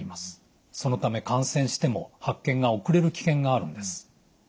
そのため感染しても発見が遅れる危険があるんです。